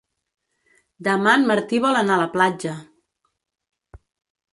Demà en Martí vol anar a la platja.